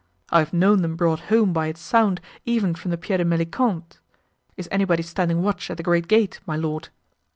I have known them brought home by its sound even from the Pied de Melicant. Is anybody standing watch at the great gate, my Lord?"